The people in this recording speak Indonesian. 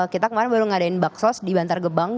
kita kemarin baru ngadain baksos di bantar gebang